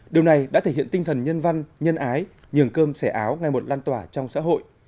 điều này đã thể hiện tinh thần nhân văn nhân ái nhường cơm xẻ áo ngày một lan tỏa trong xã hội